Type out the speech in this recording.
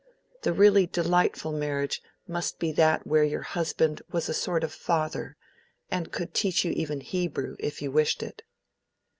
The really delightful marriage must be that where your husband was a sort of father, and could teach you even Hebrew, if you wished it.